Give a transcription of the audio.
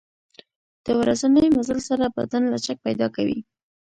د ورځني مزل سره بدن لچک پیدا کوي.